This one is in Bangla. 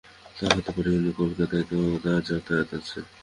তা হতে পারে, কিন্তু কলকাতায় তো তাঁর যাতায়াত আছে।